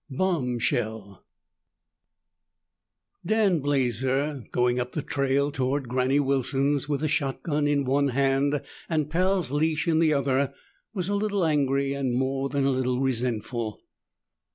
BOMBSHELL Dan Blazer, going up the trail toward Granny Wilson's with the shotgun in one hand and Pal's leash in the other, was a little angry and more than a little resentful.